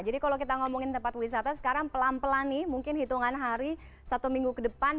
jadi kalau kita ngomongin tempat wisata sekarang pelan pelan nih mungkin hitungan hari satu minggu ke depan